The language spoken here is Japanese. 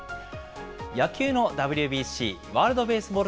野球のＷＢＣ・ワールドベースボール